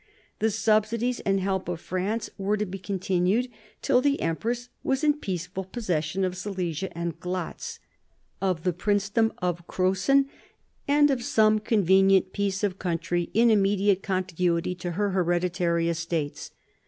The subsidies and help of France were to be continued till the empress was in peaceful possession of Silesia and Glatz, of the Princedom of Crossen, and of some convenient piece of country in immediate contiguity to her hereditary estates.